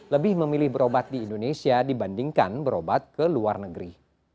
lebih memilih berobat di indonesia dibandingkan berobat ke luar negeri